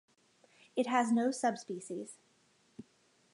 It has no subspecies.